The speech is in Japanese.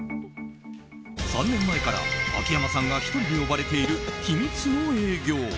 ３年前から秋山さんが１人で呼ばれている秘密の営業。